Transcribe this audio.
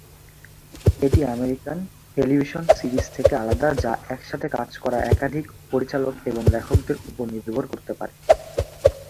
এটি American television series থেকে আলাদা, যা একসাথে কাজ করা একাধিক পরিচালক এবং লেখকদের উপর নির্ভর করতে পারে।